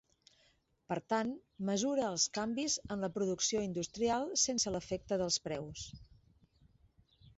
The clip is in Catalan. Per tant, mesura els canvis en la producció industrial sense l'efecte dels preus.